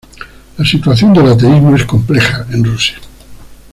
La situación del ateísmo es compleja en Rusia.